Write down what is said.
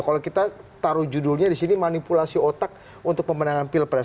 kalau kita taruh judulnya di sini manipulasi otak untuk pemenangan pilpres